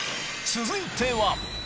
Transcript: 続いては。